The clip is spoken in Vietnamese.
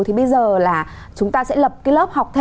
thì bây giờ là chúng ta sẽ lập cái lớp học thêm